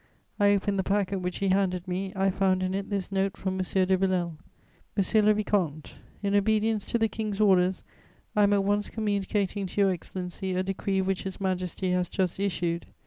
I opened the packet which he handed me; I found in it this note from M. de Villèle: "MONSIEUR LE VICOMTE, "In obedience to the King's orders, I am at once communicating to Your Excellency a decree which His Majesty has just issued.